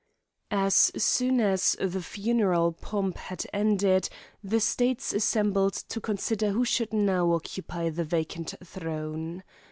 As soon as the funeral pomp had ended, the states assembled to consider who should now occupy the vacant throne.